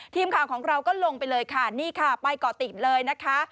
ทีมข่าวของเราก็ลงไปเลยค่ะนี่ค่ะไปเกาะติดเลยนะคะ